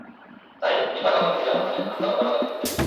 তাই এপার বাংলার কবিদের আমন্ত্রণে আমরা ওপার বাংলা থেকে ছুটে এসেছি।